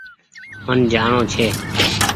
من جآڻونٚ ڇي